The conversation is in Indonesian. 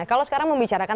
kalau sekarang membicarakan